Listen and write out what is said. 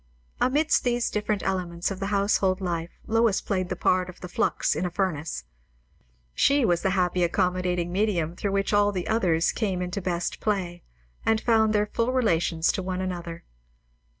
Amidst these different elements of the household life Lois played the part of the flux in a furnace; she was the happy accommodating medium through which all the others came into best play and found their full relations to one another.